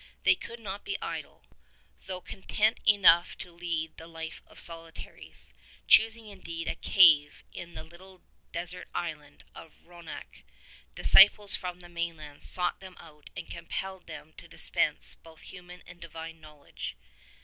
They could not be idle. Though content enough to lead the life of solitaries, choosing indeed a cave in the little desert island of Ronech, disciples from the mainland sought them out and compelled them to dispense both hu man and divine knowledge.